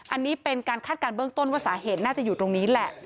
อันนี้เป็นการคาดการณเบื้องต้นว่าสาเหตุน่าจะอยู่ตรงนี้แหละ